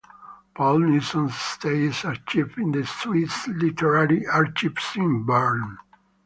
Paul Nizon's estate is archived in the Swiss Literary Archives in Bern.